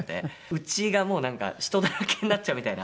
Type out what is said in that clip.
うちがもうなんか人だらけになっちゃうみたいな。